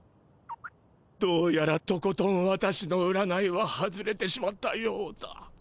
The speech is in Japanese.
どうやらとことん私の占いは外れてしまったようだ。